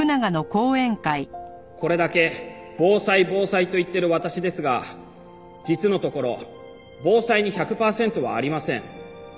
これだけ防災防災と言っている私ですが実のところ防災に１００パーセントはありません。